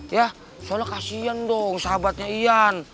ya soalnya kasian dong sahabatnya ian